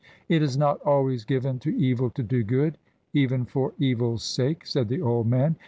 "It is not always given to evil to do good, even for evil's sake," said the old man.